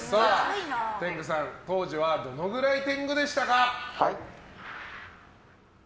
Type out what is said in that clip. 天狗さん、当時はどのぐらい天狗でしたか？